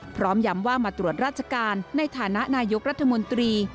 ย้ำว่ามาตรวจราชการในฐานะนายกรัฐมนตรี